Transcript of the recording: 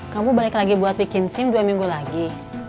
kamu balik lagi buat bikin sim dua minggu lagi